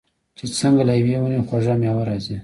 چې څنګه له یوې ونې خوږه میوه راځي.